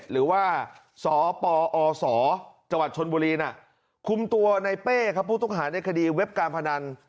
หรือว่าสปอศจังหวัดชนบุรีน่ะคุมตัวในเป้ครับผู้ต้องหาในคดีเว็บการพนัน